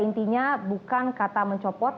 intinya bukan kata mencopot